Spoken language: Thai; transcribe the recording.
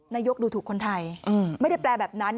ดูถูกคนไทยไม่ได้แปลแบบนั้น